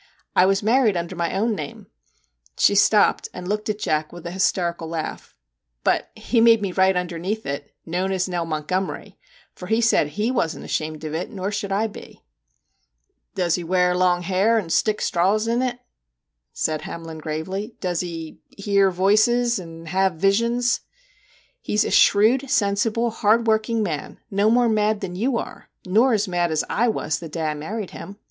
I was married under my own name,' she stopped and looked at Jack with an hysterical laugh ' but he made me write underneath it, "known as Nell Montgomery "; for he said he wasn't ashamed of it nor should I be.' * Does he wear long hair and stick straws B i8 MR. JACK HAMLIN'S MEDIATION in it ?' said Hamlin gravely. ' Does he " hear voices" and "have visions" ?'* He 's a shrewd, sensible, hard working man no more mad than you are, nor as mad as / was the day I married him.